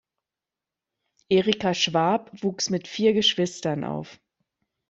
Erika Schwab wuchs mit vier Geschwistern auf.